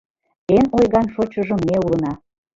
Эн ойган шочшыжо ме улына.